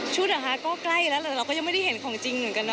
ก็ใกล้แล้วแหละเราก็ยังไม่ได้เห็นของจริงเหมือนกันเน